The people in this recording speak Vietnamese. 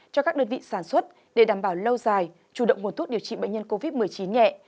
cho các đơn vị sản xuất để đảm bảo lâu dài chủ động nguồn thuốc điều trị bệnh nhân covid một mươi chín nhẹ